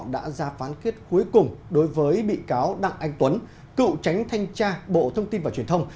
đã ra phán kiết cuối cùng đối với bị cáo đặng anh tuấn cựu tránh thanh tra bộ thông tin và truyền thông